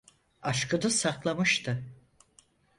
Aşkını saklamıştı.